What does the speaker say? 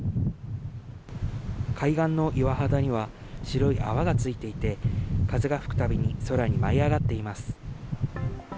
海岸の岩肌には、白い泡がついていて、風が吹くたびに空に舞い上がっています。